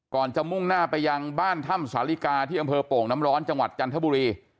ก่อนจะมุ่งหน้าไปยังบ้านถ้ำสาลิกาที่อำเภอโป่งน้ำร้อนจังหวัดจันทบุรี